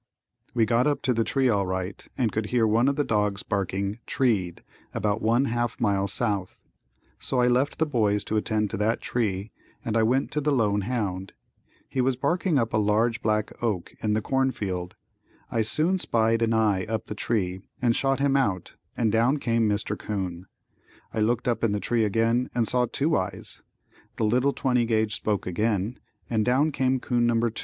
We got up to the tree all right and could hear one of the dogs barking "treed" about one half mile south, so I left the boys to attend to that tree and I went to the lone hound. He was barking up a large black oak in the corn field. I soon spied an eye up the tree and shot him out and down came Mr. 'Coon. I looked up in the tree again and saw two eyes. The little 20 gauge spoke again and down came 'coon No. 2.